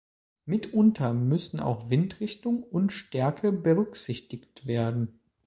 Mitunter müssen auch Windrichtung und -stärke berücksichtigt werden.